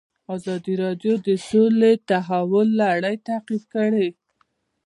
ازادي راډیو د سوله د تحول لړۍ تعقیب کړې.